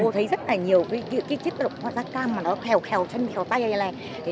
cô thấy rất là nhiều cái chất lượng hoạt giác cam mà nó khèo khèo chân nhỏ tay này này này